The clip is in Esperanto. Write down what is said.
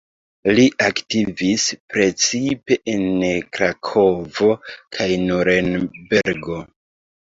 Li aktivis precipe en Krakovo kaj Nurenbergo.